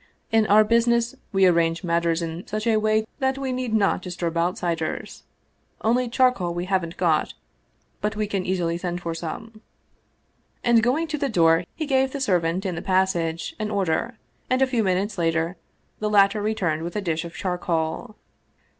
In our busi ness we arrange matters in such a way that we need not disturb outsiders. Only charcoal we haven't got, but we can easily send for some." And going to the door, he gave the servant in the pas sage an order, and a few minutes later the latter returned with a dish of charcoal.